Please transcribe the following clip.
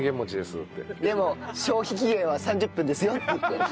「でも消費期限は３０分ですよ！」って言って。